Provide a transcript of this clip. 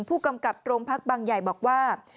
ผู้กำกับโรงพักบางใหญ่บอกว่า